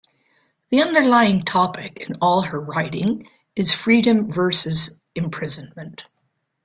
The underlying topic in all her writing is freedom versus imprisonment.